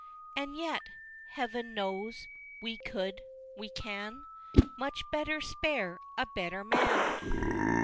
And yet, Heav'n knows! we could we can Much "better spare a better man!"